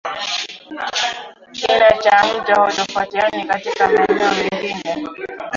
Kina cha mto hutofautiana katika maeneo mengine